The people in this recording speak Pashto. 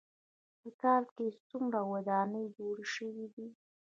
په کال کې څومره ودانۍ جوړې شوې دي.